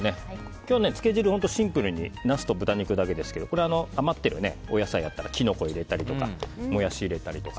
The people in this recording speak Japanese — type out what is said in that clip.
今日、つけ汁シンプルにナスと豚肉だけですけど余っているお野菜があったらキノコを入れたりとかもやし入れたりとか。